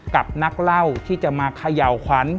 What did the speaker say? กับนักเล่าที่จะมาเขย่าขวัญ